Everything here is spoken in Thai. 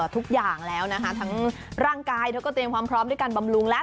ทุกอย่างแล้วนะคะทั้งร่างกายเธอก็เตรียมความพร้อมด้วยการบำรุงแล้ว